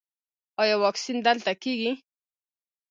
ایا واکسین دلته کیږي؟